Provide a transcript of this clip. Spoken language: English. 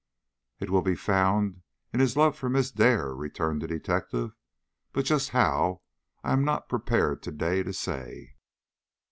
"It will be found in his love for Miss Dare," returned the detective; "but just how I am not prepared to day to say."